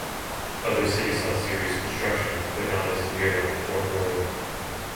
Other cities saw serious destruction but not as severe like in Fort Royal.